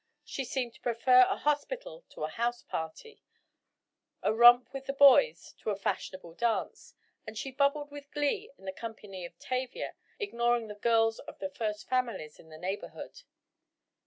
She seemed to prefer a hospital to a house party, a romp with the boys to a fashionable dance, and she bubbled with glee in the company of Tavia, ignoring the girls of the first families in her neighborhood.